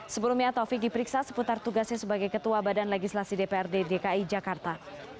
sebelumnya taufik diperiksa seputar tugasnya sebagai ketua badan legislasi dprd dki jakarta